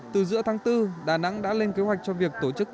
từ giữa tháng bốn đà nẵng đã lên kế hoạch cho việc tổ chức chương trình lễ hội